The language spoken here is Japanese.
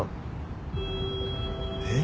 えっ？